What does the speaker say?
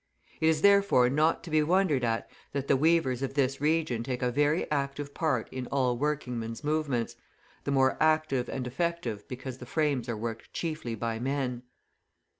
It is therefore not to be wondered at that the weavers of this region take a very active part in all working men's movements, the more active and effective because the frames are worked chiefly by men.